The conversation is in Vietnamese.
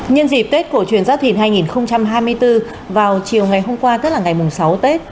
nhân dịp tết của truyền giáo thịn hai nghìn hai mươi bốn vào chiều ngày hôm qua tức là ngày sáu tết